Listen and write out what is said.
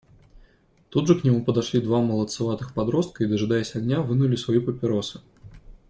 Тут же к нему подошли два молодцеватых подростка и, дожидаясь огня, вынули свои папиросы.